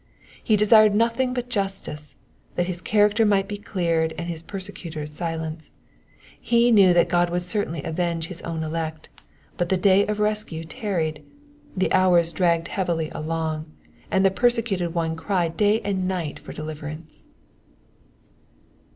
He desired nothing but justice, that his character might be cleared and his persecutors silenced. He knew that God would certainly avenge his own elect, but the day of rescue tarried, the hours dragged heavily along, and the persecuted one cried day and night for deliverance.